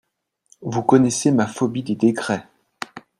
Vous connaissez ma phobie des décrets.